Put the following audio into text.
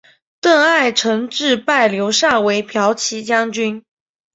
邓艾承制拜刘禅为骠骑将军。